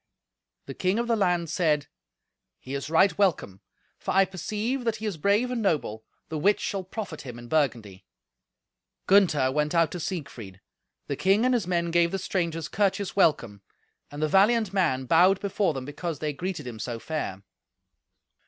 The king of the land said, "He is right welcome, for I perceive that he is brave and noble, the which shall profit him in Burgundy." Gunther went out to Siegfried. The king and his men gave the strangers courteous welcome, and the valiant man bowed before them because they greeted him so fair.